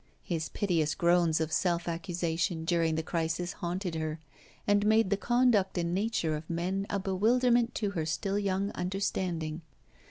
His piteous groans of self accusation during the crisis haunted her, and made the conduct and nature of men a bewilderment to her still young understanding.